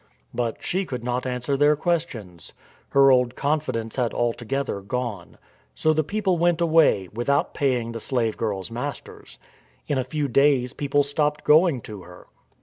" But she could not answer their questions. Her old confidence had altogether gone. So the people went away, without paying the slave girl's masters. In a few days people stopped going to her.